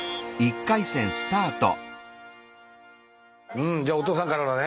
うんじゃあお父さんからだね。